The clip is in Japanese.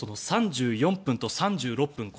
３４分と３６分。